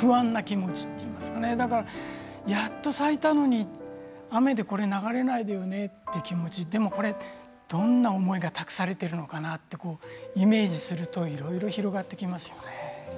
不安な気持ちというんでしょうかねやっと咲いたのに雨でこれが流れないよねという気持ちでどんな思いが託されているのかなとイメージするといろいろ広がってきますよね。